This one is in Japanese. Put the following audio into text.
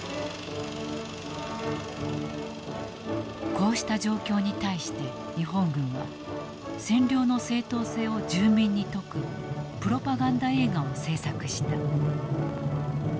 こうした状況に対して日本軍は占領の正当性を住民に説くプロパガンダ映画を制作した。